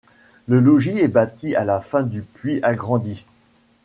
Le logis est bâti à la fin du puis agrandi.